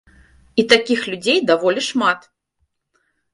І такіх людзей даволі шмат.